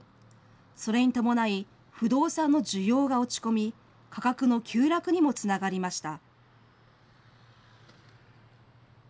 それに伴い、不動産の需要が落ち込み、価格の急落にもつながりました。